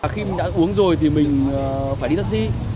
khi đã uống rồi thì mình phải đi taxi